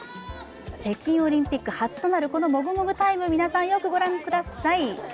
北京オリンピック初となるこのもぐもぐタイム、皆さん、よく御覧ください。